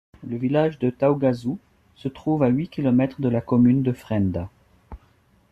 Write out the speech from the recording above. Le village de Taoughazout se trouve à huit kilomètres de la commune de Frenda.